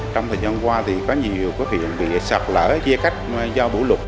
trong thời gian qua thì có nhiều việc bị sạc lỡ chia cách do bủ lục